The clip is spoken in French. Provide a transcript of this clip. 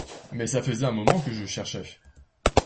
Mais ça faisait un moment que je cherchais.